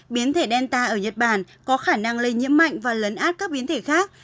biến thể delta ở nhật bản có khả năng lây nhiễm mạnh và lấn át các biến thể khác